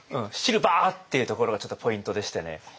「汁バーっ」っていうところがちょっとポイントでしてね。